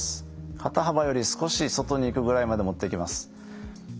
肩幅より少し外にいくぐらいまで持っていきます。